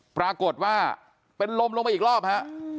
ปรากฏว่าเป็นลมลงไปอีกรอบฮะ